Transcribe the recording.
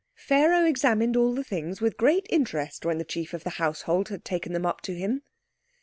Pharaoh examined all the things with great interest when the chief of the household had taken them up to him.